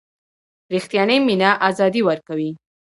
ریښتینې مینه آزادي ورکوي.